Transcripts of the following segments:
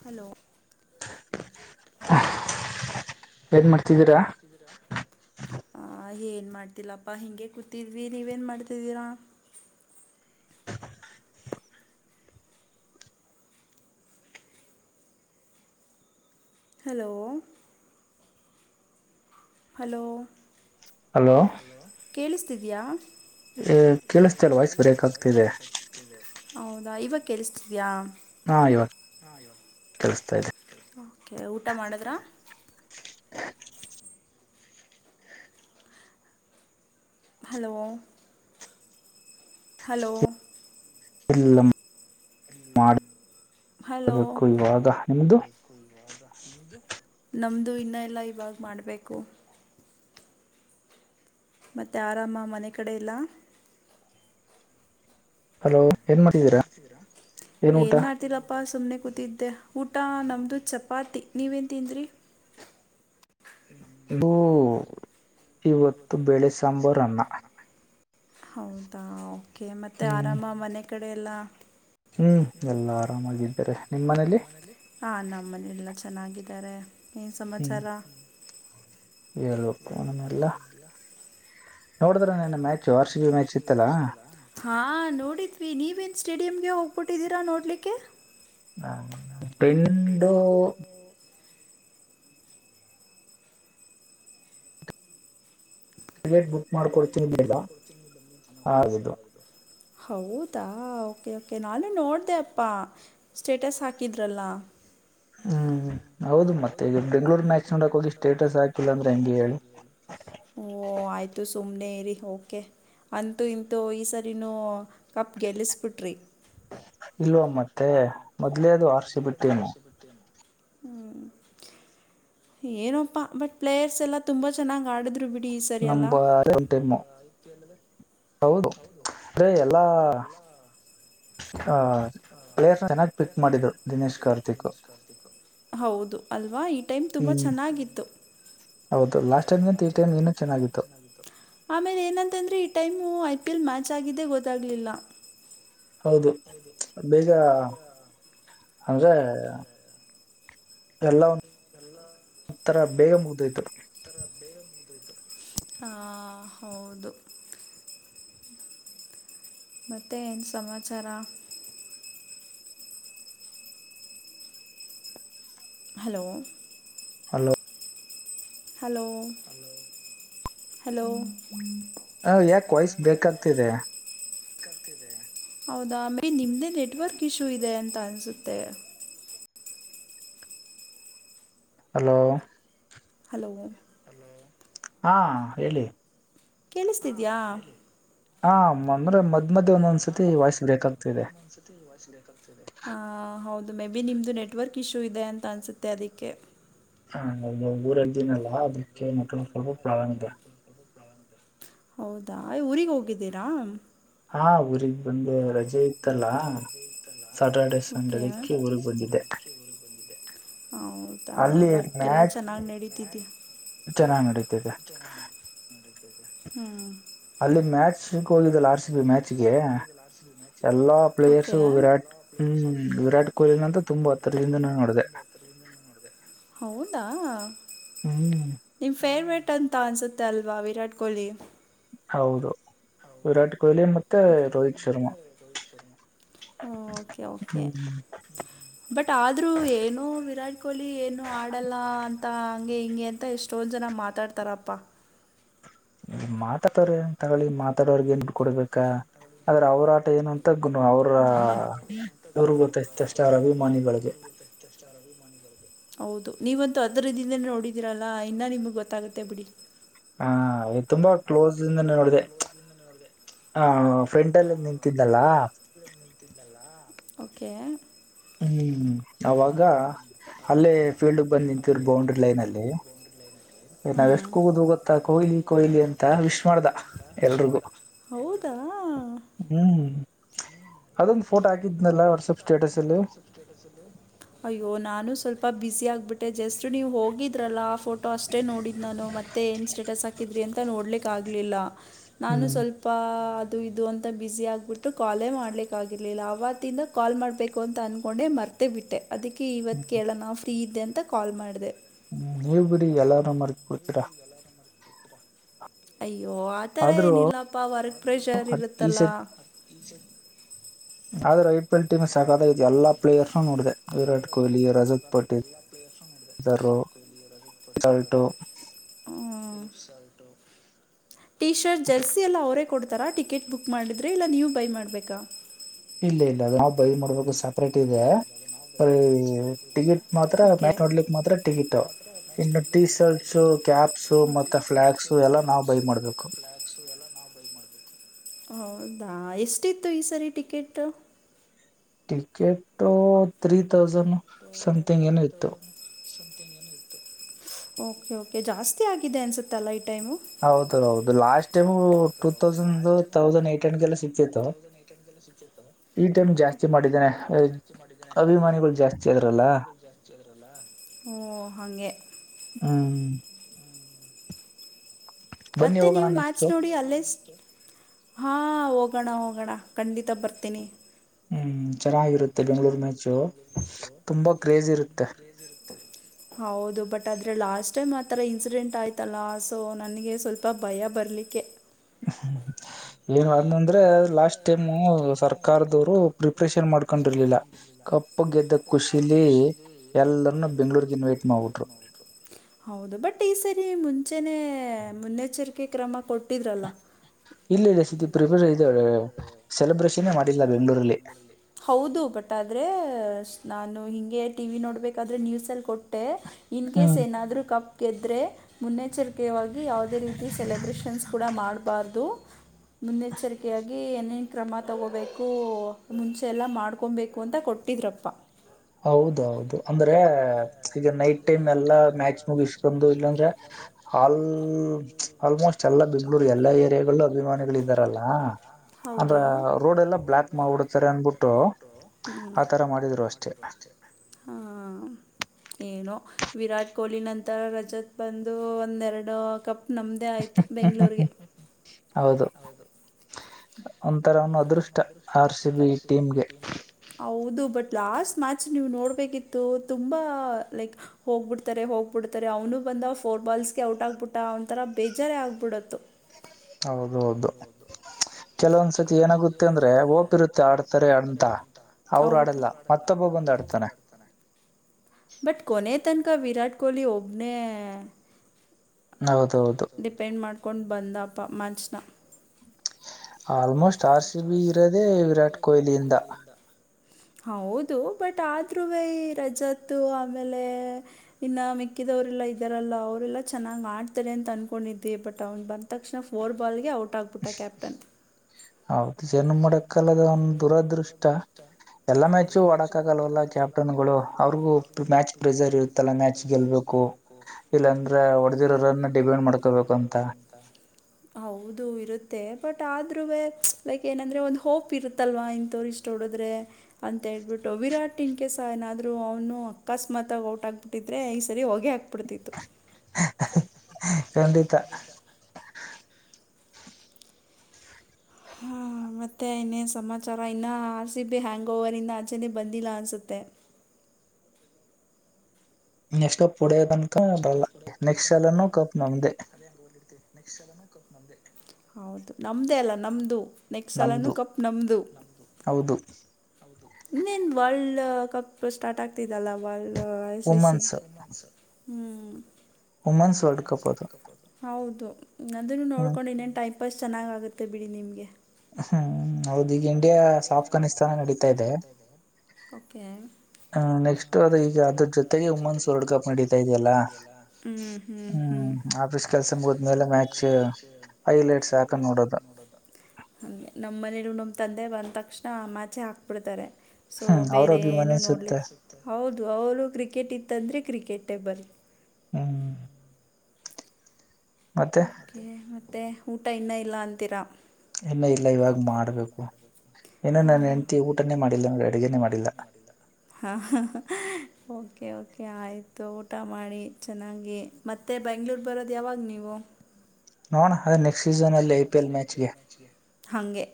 Hello [inaudible] ಏನ್ ಮಾಡ್ತಿದ್ದೀರಾ [inaudible] ಆ ಏನ್ ಮಾಡ್ತಿಲ್ಲಪ್ಪಾ ಹಿಂಗೆ ಕೂತಿದ್ವಿ ನೀವೇನ್ ಮಾಡ್ತಿದ್ದೀರಾ ಹಲೋ ಹಲೋ ಹಲೋ ಹಲೋ ಕೇಳಿಸ್ತಿದೆಯಾ ಏ ಕೇಳಿಸ್ತಿಲ್ ವಾಯ್ಸ್ ಬ್ರೇಕ್ ಆಗ್ತಿದೆ [inaudible] ಹೌದಾ ಇವಾಗ ಕೆಳಿಸ್ತಿದ್ಯಾ ಹಾ ಇವಾಗ್ [inaudible] ಕೆಳಿಸ್ತಾ ಇದೆ. ಓಕೆ ಊಟ ಮಾಡಿದ್ರಾ ಹಲೋ [inaudible] ಹಲೋ [inaudible] ಹಲೋ [unintelligible] ನಮ್ದು ಇನ್ನಾ ಇಲ್ಲಾ ಇವಾಗ ಮಾಡ್ಬೇಕು ಮತ್ತೆ ಆರಾಮಾ ಮನೆ ಕಡೆ ಎಲ್ಲಾ ಹಾ ಏನ್ ಮಾಡ್ತಿದಿರಾ, ಏನ್ ಮಾಡ್ತಿಲ್ಲಪ್ಪಾ ಪ್ಪಾ ಸುಮ್ಮನೆ ಕೂತಿದ್ದೆ ಊಟಾ ನಮ್ಮದು ಚಪಾತಿ ನೀವೇನು ತಿಂದ್ರಿ ಬೂ ಇವತ್ತು ಬೆಳೆ ಸಾಂಬಾರ ಅನ್ನ ಹೌದಾ ಓಕೆ ಮತ್ತೆ ಆರಾಮಾ ಮನೆ ಕಡೆ ಎಲ್ಲಾ ಹ್ಮ್ ಎಲ್ಲಾ ಆರಾಮಾಗಿ ಇದ್ದಾರೆ ನಿಮ್ಮ್ ಮನೇಲಿ ಹಾ ನಮ್ಮನೆ ಎಲ್ಲ ಚೆನ್ನಾಗಿದ್ದಾರೆ ಏನ್ ಸಮಾಚಾರ [unintelligible] ಎಲ್ಲ ನೋಡಿದ್ರಾ ನೆನ್ನೆ match R C C match ಇತ್ತಲ್ಲಾ ಹಾ ನೋಡಿದ್ವಿ ನೀವೇನ್ ಸ್ಟೇಡಿಯಂಮ್ಗೆ ಹೋಗ್ಬಿಟ್ಟಿದ್ದೀರಾ ನೋಡ್ಲಿಕ್ಕೆ [unintelligible] ಫ್ರೆಂಡೋ ಟಿಕೆಟ್ ಬುಕ್ ಮಾಡು ಟಿಕೆಟ್ ಬುಕ್ ಮಾಡಿಕೋಡ್ತೀವಿ [unintelligible] ಹೌದಾ ಓಕೆ ಓಕೆ ನಾನು ನೋಡ್ದೆ ಅಪ್ಪಾ ಸ್ಟೇಟಸ್ ಹಾಕಿದ್ರಲ್ಲಾ ಹ್ಮ್ ಹೌದು ಮತ್ತೆ ಈ ಬೆಂಗ್ಗಳೂರ್ ಮ್ಯಾಚ್ ನೊಡಕ್ ಹೋಗಿ ಸ್ಟೇಟಸ್ ಹಾಕಿಲ್ಲ ಅಂದ್ರೆ ಹೆಂಗೆ ಹೇಳಿ ಓ ಆಯ್ತು ಸುಮ್ನೆ ಇರಿ ಓಕೆ ಅಂತೂ ಇಂತೂ ಈ ಸರಿನೂ ಕಪ್ ಗೆಲ್ಲಿಸ್ಬಿಟ್ರಿ. ಇಲ್ವಾ ಮತ್ತೆ ಮೊದ್ಲೇ ಅದು ಆರ್ ಸಿ ಬಿ ಟೀಮು. ಹ. [unintelligible] ಏನೋಪ್ಪಾ ಬಟ್ ಪ್ಲೇಯರ್ಸ್ ಎಲ್ಲ ತುಂಬಾ ಚೆನ್ನಾಗಿ ಆಡಿದ್ರು ಬಿಡಿ. [unintelligible] ನಂಬರ ಯಾವುದು ಇಲ್ಲ ಹೌದು ಅದೇ ಎಲ್ಲಾ. [unintelligible] ಹಾ ಪ್ಲೇಯರಸನಾ ಚೆನ್ನಾಗಿ ಪಿಕ್ ಮಾಡಿದ್ರು ದಿನೇಶ್ ಕಾರ್ತಿಕು. [unintelligible] ಹೌದು. [unintelligible] ಅಲ್ವಾ ಈ ಟೈಮ್ ತುಂಬಾ ಚೆನ್ನಾಗಿತ್ತು. [unintelligible] ಆಮೇಲೆ ಏನಂತಂದ್ರೆ ಈ time I P L match ಆಗಿದ್ದೇ ಗೊತ್ತಾಗಲಿಲ್ಲ. [unintelligible] ಹೌದು ಬೇಗ ಅಂದ್ರೆ. [unintelligible] ಎಲ್ಲ ಒಂದ್ ಒಂತರ ಬೇಗ ಮುಗದ ಹೋಯ್ತು. [unintelligible] ಹಾ ಹೌದು. [unintelligible] ಮತ್ತೆ ಏನ್ ಸಮಾಚಾರ? [unintelligible] ಹಲೋ? [unintelligible] ಹಲೋ? [unintelligible] Hello hello? [unintelligible] ಹ ಯಾಕ್ ವೈಸ್ ಬ್ರೇಕ್ ಆಗ್ತಿದೆ. [unintelligible] ಹೌದಾ ಬರಿ ನಿಮ್ಮದೇ ನೆಟ್ವರ್ಕ್ ಇಶ್ಯೂ ಇದೆ ಅಂತ ಅನ್ಸುತ್ತೆ. [unintelligible] ಹಲೋ? [unintelligible] ಹಲೋ? [unintelligible] ಹಾ ಹೇಳಿ. [unintelligible] ಕೇಳಿಸ್ತಿದಿಯಾ? [unintelligible] ಹಾ ಮಂದ್ರೆ ಮದ್ ಮಧ್ಯ ಒಂದೊಂದ್ಸತಿ ವಾಯ್ಸ್ ಬ್ರೇಕ್ ಆಗತ್ತ ಇದೆ. [unintelligible] ಹಾ ಹೌದು ಮೇ ಬಿ ನಿಮ್ದು ನೆಟ್ವರ್ಕ್ ಇಶ್ಯೂ ಇದೆ ಅಂತ ಅನ್ಸುತ್ತೆ ಅದಕ್ಕೆ. [unintelligible] ಹಾ ನಮ್ದೊಂದು ಊರಇದ್ದಿನಲ್ಲ ಅದಕ್ಕೆ ನೆಟ್ವರ್ಕ್ ಅಲ್ಲಿ ಪ್ರಾಬ್ಲಮ್ ಇದೆ. [unintelligible] ಹೌದಾ ಈಗ ಊರಿಗೆ ಹೋಗಿದ್ದೀರಾ? [unintelligible] ಹಾ ಊರಿಗ [unintelligible] ಆ ಊರಿಗೆ ಬಂದೆ ರಜೆ ಇತ್ತ ಅಲ್ಲಾ ಓಕೆ ಬೆಳಿಗ್ಗೆ ಊರಿಗ್ ಬಂದೀನಿ. [inaudible] [unintelligible] ಹೌದಾ ವರ್ಕ್ ಎಲ್ಲಾ ಚೆನ್ನಾಗ್ ನಡತಿದ್ದಿ. [inaudible] [unintelligible] ಚೆನ್ನಾಗಿ ನಡಿತಿದೆ. [unintelligible] ಚೆನ್ನಾಗಿ ನಡಿತಿದೆ ಹ. [unintelligible] ಅಲ್ಲಿ ಮ್ಯಾಚ್ [unintelligible] ಶಕ್ ಹೋಗಿದ್ದ ಅಲ್ಲ ಆರ್ ಸಿ ಬಿ ಮ್ಯಾಚ್ಗೆ ಎಲ್ಲಾ ಪ್ಲೇಯರ್ಸು ವಿರಾಟ್ ಹೂ ವಿರಾಟ್ [unintelligible] ಕೊಹ್ಲಿ ಅಂತ ತುಂಬಾ ಹತ್ತರದಿಂದ ನಾ ನೋಡದೆ. [unintelligible] ಹತ್ತಿರದಿಂದ ನೋಡಿದೆ ಹೌದಾ? [unintelligible] ಹೌದಾ. [unintelligible] ನಿಮ್ಮ ಫೇವ್ರೇಟ್ ಅಂತ ಅನ್ಸುತ್ತೆ ಅಲ್ವಾ ವಿರಾಟ್ ಕೊಹ್ಲಿ. [unintelligible] ಹೌದು. [unintelligible] ಹೌದು ವಿರಾಟ್ ಕೊಹ್ಲಿ ಮತ್ತೆ ರೋಹಿತ್ ಶರ್ಮಾ. [unintelligible] ಓ ಓಕೆ ಓಕೆ. [unintelligible] ಬಟ್ ಆದ್ರೂ ಏನು ವಿರಾಟ್ ಕೊಹ್ಲಿ ಏನು ಆಡಲ್ಲ ಅಂತ [unintelligible] ಅಂತಾ ಹಂಗೆ ಹಿಂಗೆ ಅಂತ ಎಷ್ಟೊಂದ ಜನ ಮಾತಾಡ್ತಾರಪ್ಪ. [unintelligible] ಮಾತಾಡ್ತೋರೆ ಅಂತ ಹೇಳಿ ಮಾತಾಡೋರ್ಗೇನ್ [inaudible] ಕೊಡ್ಬೇಕಾ ಆದ್ರೆ ಅವ್ರ ಆಟ ಏನು ಅಂತ ಗು ಅವ್ರ ಅವ್ರ ಗೊತ್ತ ಅಷ್ಟ [unintelligible] ಸ್ಟಾರ್ ಅಭಿಮಾನಿಗಳಿಗೆ. [unintelligible] ಸ್ಟಾರ್ ಅಭಿಮಾನಿಗಳಿಗೆ. [unintelligible] ಹೌದು ನೀವಂತೂ ಹತ್ತಿರದಿಂದ ನೋಡಿದೀರಲ್ಲ ಇನ್ನ ನಿಮ್ಗೆ ಗೊತ್ತಾಗುತ್ತೆ ಬಿಡಿ. [unintelligible] ಹಾ ತುಂಬಾ ಕ್ಲೋಸ್ ಇಂದ ನೋಡಿದೆ. ಹ ಫ್ರೆಂಟ್ ಅಲ್ಲಿ ನಿಂತಿದ್ದಲ್ಲಾ? [inaudible] ನಿಂತಿದ್ದನಲ್ಲ ಓಕೆ.. ಹ್ಮ್ ಅವಾಗ ಅಲ್ಲೇ ಫೀಲ್ಡ್ ಬಂದ ನಿಂತ ಬೌಂಡ್ರಿ ಲೈನ ಅಲ್ಲಿ ನಾವ್ ಎಷ್ಟ ಕೂಗುದು ಗೊತ್ತಾ. ಕೊಹ್ಲಿ ಕೊಹ್ಲಿ ಅಂತ ವಿಶ್ ಮಾಡ್ದ ಎಲ್ರಿಗೂ. ಹೌದಾ..... ಹ್ಮ್ ಅದೊಂದು ಫೋಟೋ ಹಾಕಿದ್ನಲ್ಲ ವಾಟ್ಸಪ್ ಸ್ಟೇಟಸ್ ಅಲ್ಲಿ ಅಯ್ಯೋ ನಾನು ಸ್ವಲ್ಪ ಬ್ಯುಸಿ ಆಗ್ಬಿಟ್ಟೆ ಜಸ್ಟ್ ನೀವು ಹೋಗಿದ್ರಲ್ಲಾ ಆ ಫೋಟೋ ಫೋಟೋ ಅಷ್ಟೇ ನೋಡಿದ್ದು. ನಾನು ಮತ್ತೆ ಏನು ಸ್ಟೇಟಸ್ ಹಾಕಿದ್ರಿ ಅಂತ ನೋಡ್ಲಿಕ್ಕೆ ಆಗಲಿಲ್ಲ ನಾನು ಸ್ವಲ್ಪ ಅದು ಇದು ಅಂತ ಬಿಸಿ ಆಗ್ಬಿಟ್ಟು ಕಾಲೇ ಮಾಡ್ಲಿಕ್ಕಾಗಿರ್ಲಿಲ್ಲ ಆವತಿಂದ ಕಾಲ್ ಮಾಡ್ಬೇಕು ಅಂತ ಅನ್ಕೊಂಡೆ ಮರ್ತೆೇ ಬಿಟ್ಟೆ ಅದಕ್ಕೆ ಇವತ್ ಕೇಳೋ ನಾ ಫ್ರೀ ಇದ್ದೆ ಅಂತ ಕಾಲ್ ಮಾಡಿದೆ. ಹ್ಮ್ ನೀವ್ ಬಿಡಿ ಎಲ್ಲಾರು ಮರ್ತೀ. ಬಿಲ್ಲ [inaudible] ಅಯ್ಯೋ ಆತರ ಏನಿಲ್ಲಪ್ಪಾ ವರ್ಕ್ ಪ್ರೆಷರ್ ಇರುತ್ತಲ್ಲ. ಆದ್ರ ಐ. ಪಿ. ಎಲ್ ಟೀಮ್ ಸಾಕಾತಗ್ ಐತೆ ಎಲ್ಲಾ ಪ್ಲೇರ್ಸ್ ನೋಡ್ದಿದೆ. ರೈಟ್ ಫಲ್ಟ ಸಾಾದ್ರೆ ಎಲ್ಲ ಪ್ಲೇಯರ್ಸ್ು ನಡಿದೆ ವಿರಾಟ್ ಕೊಹ್ಲಿ ರೋಹಿತ್ ಪಟೀಲ್ರು [inaudible] ಹ [inaudible] ಟೀ ಶರ್ಟ್ ಜರ್ಸಿ ಎಲ್ಲ ಅವರೇ ಕೊಡ್ತಾರಾ ಟಿಕೆಟ್ ಬುಕ್ ಮಾಡಿದರೆ ಇಲ್ಲ ನೀವು ಬೈ ಮಾಡ್ಬೇಕಾ? ಇಲ್ಲ ಇಲ್ಲ ನಾವು ಬೈ ಮಾಡಡ್ಬೇಕು ಸಪ್ರೇಟ್ ಇದೆ ಬರೀ ಟಿಕೆಟ್ ಮಾತ್ರ ಮ್ಯಾಚ್ ನೋಡ್ಲಿಕ್ ಮಾತ್ರ ಟಿಕೆಟ್ ಇನ್ನು ಟಿ ಶರ್ಟ್ಸ್, ಕ್ಯಾಪ್ಸ್, ಮತ್ತೆ ಫ್ಲಯಾಕ್ಸ್ ಸ ಎಲ್ಲಾ ನಾವು ಬೈ ಮಾಡ್ಬೇಕು ಹೌದಾ ಎಷ್ಟಿತ್ತು ಈ ಸರಿ ticket? Ticket three thousand something ಏನು ಇತ್ತು. ಓಕೆ.. ಓಕೆ.. ಜಾಸ್ತಿ ಆಗಿದೆ ಅನ್ಸುತ್ತಲ್ಲ ಈ ಟೈಮು ಹೌದು ಹೌದು ಲಾಸ್ಟ್ ಹೌದ ಹೌದು ಲಾಸ್ಟ್ ಟೈಮ್ ಟೂ ತೌಸ್ ತೌಸಂಡ್ ಹೆಟ್ಗೆಲ್ಲ ಸಿಕ್ಕಿಗ್ಇತ್ತು ಈ ಟೈಮ್ ಜಾಸ್ತಿ ಮಾಡಿದ್ದನೇ ಅಭಿಮಾನಿಗಳು ಜಾಸ್ತಿ ಅದ್ರಲ್ಲ ಓ ಹಂಗೆ ಹ್ಮ್ ಮತ್ತೆ ನೀವು ಮ್ಯಾಚ್ ನೋಡಿ ಅಲ್ಲೇ ಹಾ ಹೋಗೋಣ ಹೋಗೋಣ ಖಂಡಿತ ಬರ್ತೀನಿ. ಹ್ಮ್ ಚೆನ್ನಾಗಿರುತ್ತೆ ಬೆಂಗ್ಗಳೂರ್ ಮ್ಯಾಚು ತುಂಬಾ ಕ್ರೇಜ್ ಇರುತ್ತೆ. ನಿರುತ್ತ [inaudible] ಹೌದು ಬಟ್ ಆದ್ರೆ ಲಾಸ್ಟ್ ಟೈಮ್ ಆತರ ಇನ್ಸಿಡೆಂಟ್ ಆಯ್ತಲ್ಲ ಶೋ ನನ್ಗೆ ಸ್ವಲ್ಪ ಭಯ ಬರ್ಲಿಕ್ಕೆ ಹ್ಮ [inaudible] ಏನ್ ಅಂತಂದ್ರೆ ಲಾಸ್ಟ್ ಟೈಮ್ ಸರ್ಕಾರದವರು ಪ್ರಿಪ್ರೇಷನ್ ಮಾಡ್ಕೊಂಡಿರ್ಲಿಲ್ಲ ಕಪ್ಪು ಗೆದ್ದ ಖುಷಿಲಿ ಎಲ್ಲರನು ಬೆಂಗ್ಳೂರ್ಗ್ ಇನ್ವೈಟ್ ಮಾಡ್ಬಿಟ್ರು ಹೌದು ಬಟ್ ಈ ಸರಿ ಮುಂಚೆನೆ ಮುನ್ನೆಚ್ಚರಿಕೆ ಕ್ರಮ ಕೊಟ್ಟಿದ್ರಲ್ಲ. ಇಲ್ಲ ಇಲ್ಲ ಸತಿ ಪ್ರಿಪೇರ್ ಇದು ಸೆಲೆಬ್ರೇಷನೇ ಮಾಡಿಲ್ಲ ಬೆಂಗಳೂರಲ್ಲಿ ಹೌದು ಬಟ್ ಆದ್ರೆ ನಾನು ಹಿಂಗೆ ಟಿ ವಿ ನೋಡ್ಬೇಕಾದ್ರೆ ನ್ಯೂಸಲ್ಲಿ ಕೊಟ್ಟೆ ಇನ್ ಕೆೇಸ್ ಏನಾದ್ರರು ಕಪ್ ಗೆದ್ರರೆ ಮುನ್ನೆಚ್ಚರಿಕೆವಾಗಿ ಯಾವುದೇ ರೀತಿ ಸೆಲೆಬ್ರೇಷನ್ಸ್ ಕೂಡ ಮಾಡಬಾರ್ದು ಮುಂನ್ಹೆಚಾರಿ ರ್ಕ್ಕೆಯಾಗಿ ಏನೇನು ಕ್ರಮ ತಗೋಬೇಕು ಮುಂಚೆ ಎಲ್ಲಾ ಮಾಡ್ಕೊಬೇಕು ಅಂತ ಕೊಟ್ಟಿದ್ರಪ್ಪ ಹ ಹೌದೌದು ಅಂದ್ರೆ ಈಗ ನೈಟ್ ಟೈಮ್ ಎಲ್ಲಾ ಮ್ಯಾಚ್ ಮುಗಿಸಕೊಂಡು ಇಲ್ಲಾಂದ್ರೆ ಆಲ್ ಆಲ್ಮೋಸ್ಟ್ ಎಲ್ಲಾ ಬೆಂಗಳೂರು ಎಲ್ಲಾ ಏರಿಯಾಗಳಲ್ಲು ಅಭಿಮಾನಿಗಳ ಇದಾರ ಇದಾರಲ್ಲ ಹೌದು ರೋಡ ಎಲ್ಲಾ ಬ್ಲಾಕ್ ಮಾಡಿ ಬಿಡ್ತಾರೆ ಅಂದಬಿಟ್ಟು ಹುಂ ಆತರ ಮಾಡಿದ್ರು ಅಷ್ಟೇ. ಹ ಏನೋ ವಿರಾಟ್ ಕೊಹ್ಲಿ ನಂತರ ರಜತ್ ಬಂದು ಒಂದೆರಡು ಕಪ್ ನಮ್ಮದೇ ಆಯ್ತು ಬೆಂಗ್ಳೂರಿಗೆ ಹೌದು ಒಂಥರಾ ಅವನ್ನು ಅದೃಷ್ಟ ಆರ್ ಸಿ ಬಿ ಟೀಮ್ ಗೆ ಹೌದು ಬಟ್ ಲಾಸ್ಟ್ ಮ್ಯಾಚ್ ನೀವು ನೋಡ್ಬೇಕಿತ್ತು ತುಂಬಾ ಲೈಕ್ ಹೋಗ್ಬಿಡ್ತಾರೆ ಹೋಗ್ಬಿಡ್ತಾರೆ ಅವ್ನು ಬಂದಾ ಫೋರ್ ಬಾಲ್ಸಗೆ ಔಟ್ ಆಗ್ಬಿಟ್ಟಾ ವಂಥರಾ ಬೇಜಾರೇ ಆಗ್ಬಿಡುತ್ತು. ಹೌದು ಹೌದು ಕೆಲವೊಂದ್ಸತಿ ಏನಾಗುತ್ತೆ ಅಂದ್ರೆ ಓಪ್ ಇರುತ್ತೆ ಆಡ್ತಾರೆ ಅಂತಾ ಅವರು ಆಡಲ್ಲಾ ಮತ್ತೊಬ್ಬಾ ಬಂದ ಆಡ್ತಾನೆ ಬಟ್ ಕೊನೆ ತನಕಾ ವಿರಾಟ್ ಕೊಹ್ಲಿ ಒಬ್ಬನೇ ಡಿಪೆಂಡ್ ಮಾಡ್ಕೊಂಡು ಬಂದನಪ್ಪಾ ಮ್ಯಾಚ್ ನಾ almost almost R C B ಇರೋದೇ ವಿರಾಟ್ ಕೊಹ್ಲಿಯಿಂದಾ ಹೌದು ಬಟ್ ಆದ್ರೂ ಈ ರಜತ್ತು ಆಮೇಲೆ ಇನ್ನ ಮಿಕ್ಕಿದವರೆಲ್ಲಾ ಇದಾರಲ್ಲಾ ಅವರೆಲ್ಲ ಚೆನ್ನಾಗಿ ಆಡ್ತಾರೆ ಅಂತ ಅನ್ಕೊಂಡಿದ್ವಿ ಬಟ್ ಅವ್ನ್ ಬಂ ತಕ್ಷಣ ಫೋರ್ ಬಾಲ್ ಗೆ ಔಟ್ ಆಗಿಬಿಟ್ಟಾ ಕ್ಯಾಪ್ಟನ್. ಹೌದು ಏನು ಮಾಡಕ್ಕಲ್ಲ ಅವನ ದುರದೃಷ್ಟಾ ಎಲ್ಲಾ ಮ್ಯಾಚು ಓಡಕ್ ಆಗಲ್ಲವಲ್ಲ ಕ್ಯಾಪ್ಟನ್ ಗಳು ಅವ್ರಗೂ ಮ್ಯಾಚ್ ಪ್ರೆಸರ್ ಇರುತ್ತಲ್ಲಾ ಮ್ಯಾಚ್ ಗೆಲ್ಬೇಕು ಇಲ್ಲಾಂದ್ರೆ ಹೊಡದಿರದು ಡಿಪಂಡ್ ಮಾಡ್ಕೊಬೇಕು ಅಂತಾ ಹೌದು ಇರುತ್ತೆ ಬಟ್ ಆದ್ರೂ ವೇ ಲೈಕ್ ಏನಂದ್ರರೆ ಒಂದು ಹೋಪ್ ಇರುತ್ತಲ್ವಾ ಇಂಥವ್ರು ಇಷ್ಟು ಹೊಡಿದ್ರೆ ಅಂತ ಹೇಳ್ಬಿಟ್ಟು ವಿರಾಟ್ ಇನ್ ಕೆಸ ಏನಾದ್ರು ಅವನು ಅಕಸ್ಮಾತಗ ಔಟ್ ಆಗ್ಬಿಟ್ಟು ಇದ್ರೆ ಈ ಸರಿ ಹೊಗೆೇ ಹಾಕ್ ಬಿಡತ್ತಿತ್ತು. ಖಂಡಿತಾ. [unintelligible] ಹಾ ಮತ್ತೆ ಇನ್ನೇನು ಸಮಾಚಾರಾ ಇನ್ನುೂ ಆರ್ ಸಿ ಬಿ ಹ್ಯಾಂಗ್ ಓವರಿಂದ ಆಚೆನೆ ಬಂದಿಲ್ಲಾ ಅನಿಸುತ್ತೆ ನೆಕ್ಸ್ಟ ಕಪ್ ಹೊಡಿಯೋ ತನಕ ಬರಲ್ಲ ನೆಕ್ಸ್ಟ ಸಲನು ಕಪ್ ನಮ್ದೆ ಅದೇ ಹೋಗಿದ್ದೆ ನೆಕ್ಸ್ಟ ಸಾಲನು ಕಪ್ ನಮ್ದೆ ಹೌದು ನಮ್ಮೆದೆ ಅಲ್ಲವಾ ನಮ್ಮದು ನೆಕ್ಸ್ಟಲ ಕಪ್ ನಮ್ಮದು ಹೌದು ಇನ್ನೇನ್ ವರ್ಲ್ಡ್ ಕಪ್ ಸ್ಟಾರ್ಟ್ ಆಗ್ತಿದ್ದಲ್ಲಾ ವರ್ಲ್ಡ್ ಐ ಸಿ ಸಿ. ಹುಂ ಮೇನಸ ವರ್ಲ್ಡ್ ಕಪ್ ಹೌದು ಅದನ್ ನೋಡ್ಕೊಂಡು ಇನ್ನೇನ್ ಟೈಪ್ ಪಷ್ಟ ಚೆನ್ನಾಗಿ ಆಗುತ್ತೆ ಬಿಡಿ ನಿಮಗೆ ಹುಂ ಹೌದ ಈಗ ಇಂಡಿಯಾ ಸಾಫ್ಘಾಕಾನಿಸ್ತಾನ ನಡೀತಾ ಇದೆ. ಓಕೆ ಹಾ ನೆಕ್ಸ್ಟ ಅದ ಈಗ ಅದ್ರ ಜೊತೆಗೆ ಉಮೆನ್ಸ್ ವರ್ಲ್ಡ್ ಕಪ್ ನಡೀತಾ ಇದೆಯಲ್ಲಾ ಹುಂ ಆಫೀಸ್ ಕೆಲ್ಸಾ ಮುಗದ್ಮೇಲೆ ಮ್ಯಾಚ್ ಹೈಲೈಟ್ಸ ಹಾಕೊಂಡ ನೋಡದು [inaudible] ಹಂಗೆ ನಮ್ಮನೇಲು ನಮ್ಮ ತಂದೆ ಬಂದ ತಕ್ಷಣ ಮ್ಯಾಚ ಹಾಕ್ಬಿಡ್ತಾರೆ. ಸೊ ಬೇರೆ ಏನು ನೋಡಲಿಕ್ಕ ಹೌದು ಅವರು ಕ್ರಿಕೆಟ್ ಇತ್ತಂದರೆ ಕ್ರಿಕೆಟೇ ಬರ ಹ್ಮ ಓಕೆ ಮತ್ತೆ ಊಟ ಇನ್ನ ಇಲ್ಲ ಅಂತೀರಾ. ಇನ್ನ ಇಲ್ಲ ಇವಾಗ ಮಾಡ್ಬೇಕು ಇನ ನನ್ನ ಹೆಂಡ್ತಿ ಊಟನೇ ಮಾಡಿಲ್ಲ ಅಡುಗೆನೇ ಮಾಡಿಲ್ಲ. ಹಾಂ ಓಕೆ ಓಕೆ ಆಯಿತು ಊಟ ಮಾಡಿ ಚೆನ್ನಾಗಿ. ಮತ್ತೆ ಬೆಂಗ್ಳೂರ ಬರೋದು ಯಾವಾಗ ನೀವು. [unintelligible] ಹಂಗೆ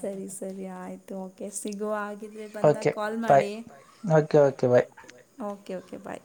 ಸರಿ ಸ ಸರಿ ಆಯ್ತು ಓಕೆ ಸಿಗುವ ಹಾಗಿದ್ರೆ ಬಂದಾಗ ಕಾಲ್ ಮಾಡಿ ಬಾಯ್. ಓಕೆ ಓಕೆ ಬಾಯ್.